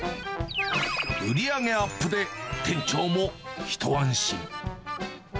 売り上げアップで店長も一安心。